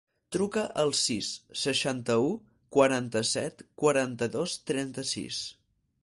Truca al sis, seixanta-u, quaranta-set, quaranta-dos, trenta-sis.